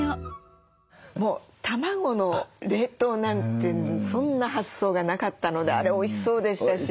もう卵の冷凍なんてそんな発想がなかったのであれおいしそうでしたし。